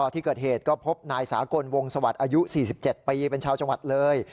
ที่เกิดเหตุก็พบนายสากลวงสวัสดิ์อายุ๔๗ปีเป็นชาวจังหวัดเลย